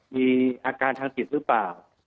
มีอาการทางจิตหรือเปล่า